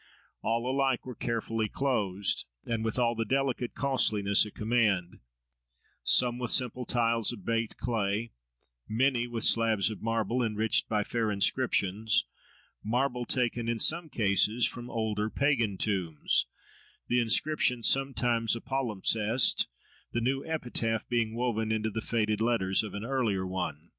All alike were carefully closed, and with all the delicate costliness at command; some with simple tiles of baked clay, many with slabs of marble, enriched by fair inscriptions: marble taken, in some cases, from older pagan tombs—the inscription sometimes a palimpsest, the new epitaph being woven into the faded letters of an earlier one.